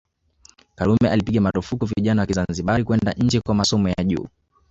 Karume alipiga marufuku vijana wa Kizanzibari kwenda nje kwa masomo ya juu